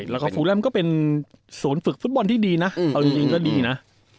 แล้วก็ฟูแลมก็เป็นศูนย์ฝึกฟุตบอลที่ดีนะเอาจริงก็ดีนะ